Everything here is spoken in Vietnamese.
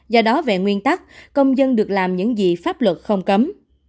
do đó về nguyên tắc công dân được làm những gì pháp luật không cấm